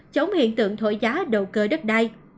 chống hiện tượng thổi giá đầu cơ đất đai